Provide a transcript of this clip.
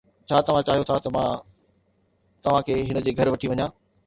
ڇا توهان چاهيو ٿا ته مان توهان کي هن جي گهر وٺي وڃان؟